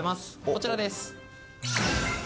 こちらです。